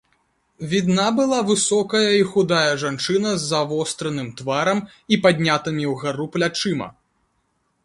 Відна была высокая і худая жанчына з завостраным тварам і паднятымі ўгару плячыма.